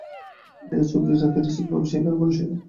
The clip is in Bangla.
বলিয়া চুবড়ি রাখিয়া নিশ্চিন্তভাবে সেইখানে বসিল।